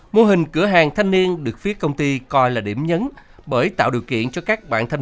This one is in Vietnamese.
mô hình cửa hàng thanh niên được phía công ty coi là điểm nhấn bởi tạo điều kiện cho các bạn thanh